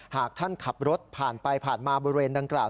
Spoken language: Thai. หากท่านขับรถผ่านไปผ่านมาบริเวณดังกล่าว